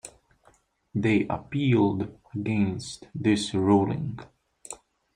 They appealed against this ruling.